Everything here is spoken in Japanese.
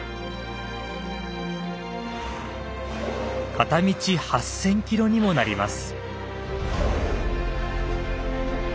片道８，０００キロにもなります。